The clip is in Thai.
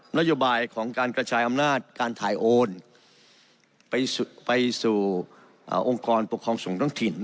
นโยบายของการกระจายอำนาจการถ่ายโอนไปสู่องค์กรปกครองส่งท้องถิ่น